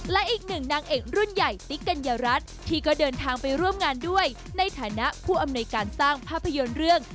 และอีกหนึ่งนางเอกรุ่นใหญ่ติ๊กกัญญารัฐที่ก็เดินทางไปร่วมงานด้วยในฐานะผู้อำนวยการสร้างภาพยนตร์เรื่อง